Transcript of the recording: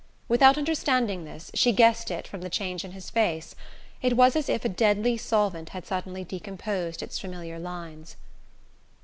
Without understanding this, she guessed it from the change in his face: it was as if a deadly solvent had suddenly decomposed its familiar lines.